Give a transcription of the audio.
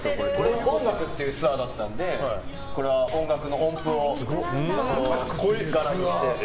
音楽っていうツアーだったので音楽の音符を柄にして。